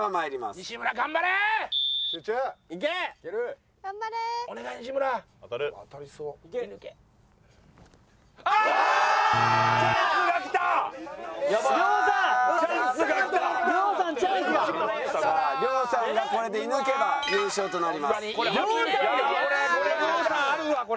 これ亮さんあるわこれ。